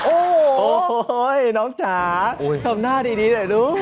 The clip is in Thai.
โอ้โหน้องจ๋าทำหน้าดีหน่อยลูก